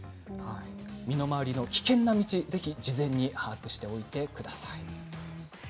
身の回りの危険な道を事前に把握しておいてください。